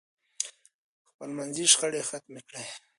خپل منځي شخړې ختمې کړئ.